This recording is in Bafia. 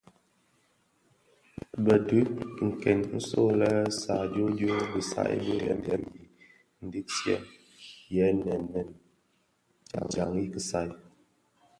Bëdhub këň nso lè sadioodioo bisai bị dèm i ndigsièn yè nèm nèm dyan i kisaï.